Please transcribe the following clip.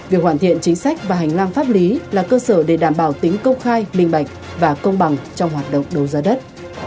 việc hoàn thiện chính sách và hành lang pháp lý là cơ sở để đảm bảo tính công khai minh bạch và công bằng trong hoạt động đấu giá đất